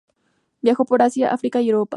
Viajó por Asia, Africa y Europa.